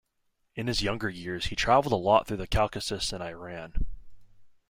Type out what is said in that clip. In his younger years he travelled a lot throughout the Caucasus and Iran.